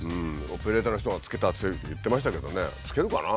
オペレーターの人が付けたって言ってましたけどね付けるかな？